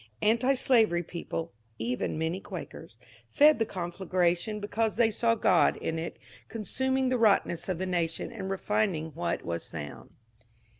Antislavery people (even many Quakers) fed the conflagration because they saw Gt)d in it consuming the rottenness of the nation and refining what was sound.